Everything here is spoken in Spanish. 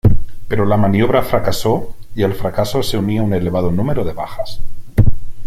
Pero la maniobra fracasó y al fracaso se unía un elevado número de bajas.